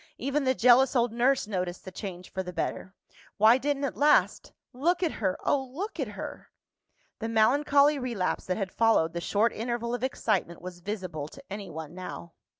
Even the jealous old nurse noticed the change for the better. Why didn't it last? Look at her oh, look at her!" The melancholy relapse that had followed the short interval of excitement was visible to anyone now.